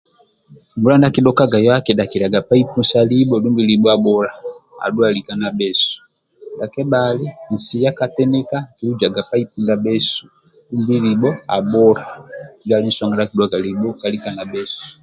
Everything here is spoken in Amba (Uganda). mbula ndia kidhokaga yoho akidhakilyaga paipu sa libho abhula adhuwa lika na bhesu ndia kebali nsiya katinika akilujaga paipu ndia bhesu dumbi libho abhula njo andulu nsonga ndia kidhuwaga libho aduwa lika na bhesu